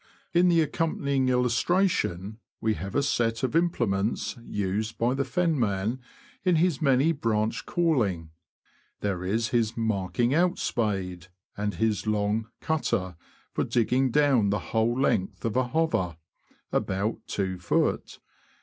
In the accompanying illustration we have a set of implements used by the fenman in his many branched calling. There is his marking out spade, and his long '' cutter," for digging down the whole length of an hover — about 2ft.